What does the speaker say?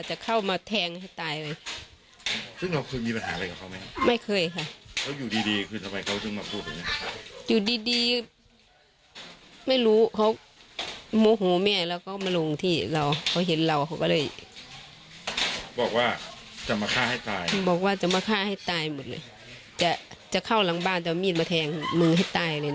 โอเคอย่างมึงให้ตายอย่างนี้